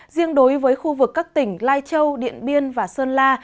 riêng đối với khu vực các tỉnh lai châu điện biên và sơn la